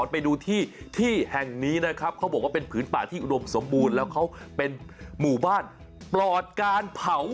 ไปดูที่ที่แห่งนี้นะครับเขาบอกว่าเป็นผืนป่าที่อุดมสมบูรณ์แล้วเขาเป็นหมู่บ้านปลอดการเผา